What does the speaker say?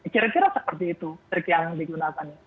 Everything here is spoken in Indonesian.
kira kira seperti itu trik yang digunakan